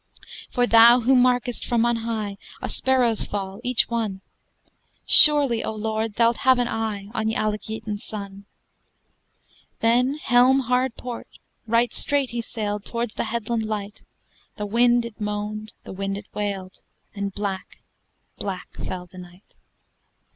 "For thou who markest from on high A sparrow's fall each one! Surely, O Lord, thou'lt have an eye On Alec Yeaton's son!" Then, helm hard port; right straight he sailed Towards the headland light: The wind it moaned, the wind it wailed, And black, black fell the night.